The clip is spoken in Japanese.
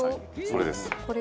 それです。